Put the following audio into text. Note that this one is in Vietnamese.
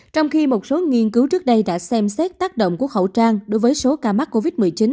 trong khi một số nghiên cứu trước đây đã xem xét tác động của khẩu trang đối với số ca mắc covid một mươi chín